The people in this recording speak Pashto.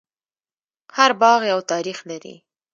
هر باغ یو تاریخ لري.